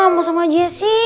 mau sama jesse